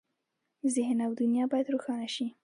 ذهن او دنیا باید روښانه شي.